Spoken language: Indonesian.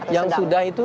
yang sudah itu lima